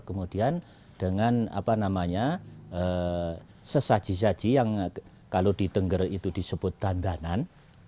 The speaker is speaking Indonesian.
kemudian dengan apa namanya sesaji saji yang kalau di tengger itu disebut dandanan